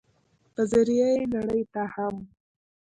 په ذريعه ئې نړۍ ته هم